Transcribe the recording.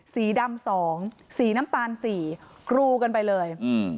สีดำ๒สีน้ำตาล๔กรูกันไปเลย